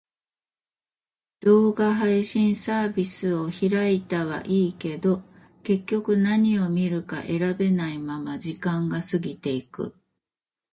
動画配信サービスを開いたはいいけど、結局何を見るか選べないまま時間が過ぎていく。